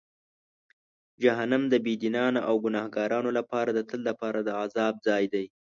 جهنم د بېدینانو او ګناهکارانو لپاره د تل لپاره د عذاب ځای دی.